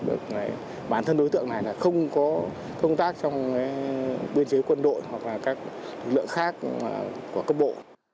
và bản thân đối tượng này là không có công tác trong biên giới quân đội hoặc là các lượng khác của cơ bộ